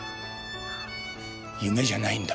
夢じゃないんだ。